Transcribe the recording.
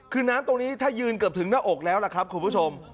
คือน้ำตรงนี้ถ้ายืนเกือบถึงหน้าอกแล้วล่ะครับคุณผู้ชม